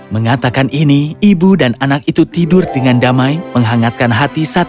mengatakan ini ibu dan anak itu tidur dengan damai menghangatkan hati satu sama lain